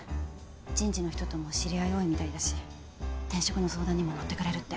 人事の人とも知り合い多いみたいだし転職の相談にも乗ってくれるって。